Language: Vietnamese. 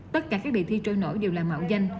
tất cả các đề thi trôi nổi đều là mạo danh